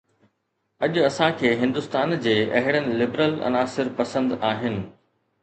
اڄ اسان کي هندستان جي اهڙن لبرل عناصر پسند آهن